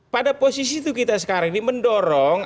pada posisi itu kita sekarang ini mendorong